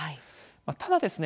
ただですね